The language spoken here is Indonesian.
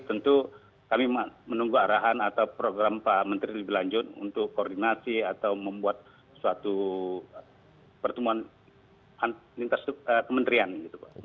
tentu kami menunggu arahan atau program pak menteri lebih lanjut untuk koordinasi atau membuat suatu pertemuan lintas kementerian gitu pak